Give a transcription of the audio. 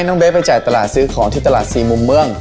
สิ่งมุมเมืองก็สี่โอเค